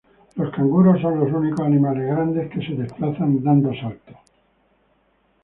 Los canguros son los únicos animales grandes que se desplazan dando saltos.